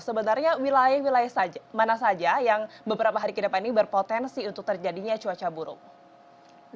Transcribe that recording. sebenarnya wilayah wilayah mana saja yang beberapa hari ke depan ini berpotensi untuk terjadinya cuaca buruk